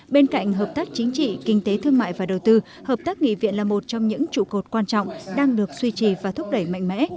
bên cạnh hợp tác chính trị kinh tế thương mại và đầu tư hợp tác nghị viện là một trong những trụ cột quan trọng đang được suy trì và thúc đẩy mạnh mẽ